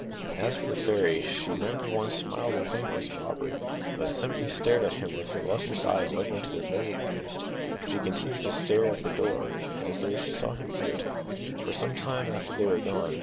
As for the fairy, she never once smiled or thanked Mr Auberly, but simply stared at him with her lustrous eyes open to their very widest, and she continued to stare at the door, as though she saw him through it, for some time after they were gone.